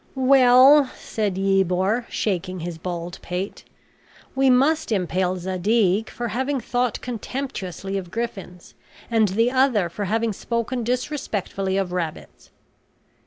"Well," said Yebor, shaking his bald pate, "we must impale Zadig for having thought contemptuously of griffins, and the other for having spoken disrespectfully of rabbits."